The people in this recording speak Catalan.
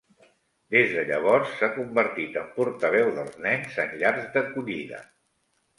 Des de llavors, s'ha convertit en portaveu dels nens en llars d'acollida.